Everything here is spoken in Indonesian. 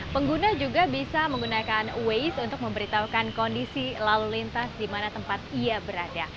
pengguna juga bisa menggunakan waze untuk memberitahukan kondisi lalu lintas di mana tempat ia berada